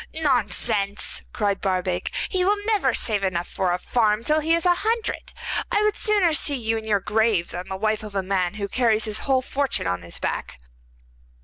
'Nonsense,' cried Barbaik, 'he will never save enough for a farm till he is a hundred. I would sooner see you in your grave than the wife of a man who carries his whole fortune on his back.